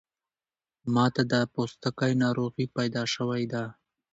ماته د پوستکی ناروغۍ پیدا شوی ده